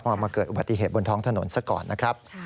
พอมาเกิดอุบัติเหตุบนท้องถนนซะก่อนนะครับ